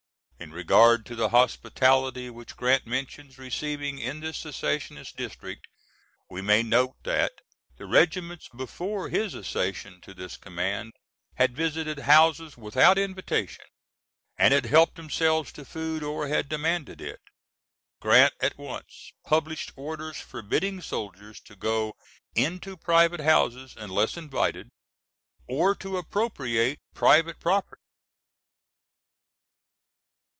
In regard to the hospitality which Grant mentions receiving in this secessionist district, we may note that the regiments before his accession to this command had visited houses without invitation and had helped themselves to food or had demanded it. Grant at once published orders forbidding soldiers to go into private houses unless invited, or to appropriate private property.